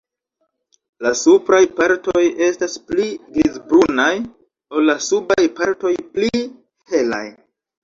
La supraj partoj estas pli grizbrunaj ol la subaj partoj pli helaj.